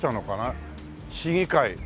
市議会。